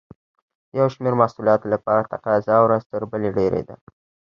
د یو شمېر محصولاتو لپاره تقاضا ورځ تر بلې ډېرېده.